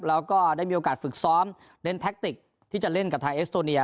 แล้วก็ได้มีโอกาสฝึกซ้อมเน้นแท็กติกที่จะเล่นกับทางเอสโตเนีย